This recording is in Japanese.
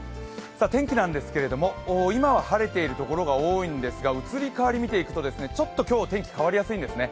天気なんですが、今は晴れているところが多いんですが移り変わり見ていくと今日天気変わりやすいんですね。